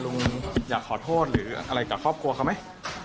ลุงอยากขอโทษหรืออะไรกับครอบครัวเขาไหม